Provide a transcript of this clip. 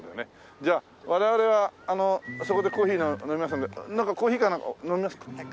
じゃあ我々はそこでコーヒー飲みますのでなんかコーヒーかなんか飲みますか？